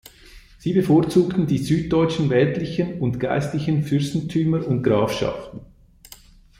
Sie bevorzugten die süddeutschen weltlichen und geistlichen Fürstentümer und Grafschaften.